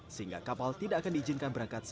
sehingga kapal tidak akan diizinkan berangkat